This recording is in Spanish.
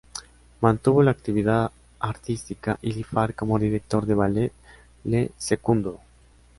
Mantuvo la actividad artística y Lifar como director del ballet le secundó.